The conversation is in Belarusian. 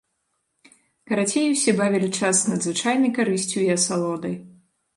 Карацей, усе бавілі час з надзвычайнай карысцю і асалодай.